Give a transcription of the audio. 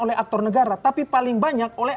oleh aktor negara tapi paling banyak oleh